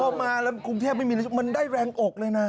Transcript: พอมาแล้วกรุงเทพไม่มีมันได้แรงอกเลยนะ